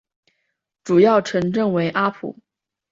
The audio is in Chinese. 主要城镇为阿普。